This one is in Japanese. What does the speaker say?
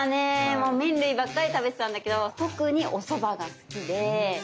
もう麺類ばっかり食べてたんだけど特におそばが好きで先生どうですかね？